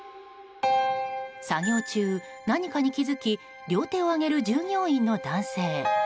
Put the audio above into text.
作業中、何かに気づき両手を上げる従業員の男性。